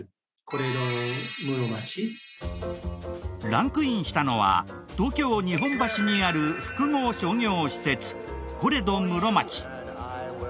ランクインしたのは東京日本橋にある複合商業施設２０１０年